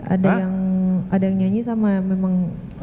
ada yang nyanyi sama memang